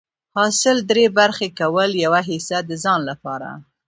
حاصل دری برخي کول، يوه حيصه د ځان لپاره